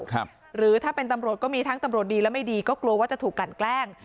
หรือถ้าเป็นตำรวจก็มีทั้งตำรวจดีและไม่ดีก็กลัวว่าจะถูกกลั่นแกล้ง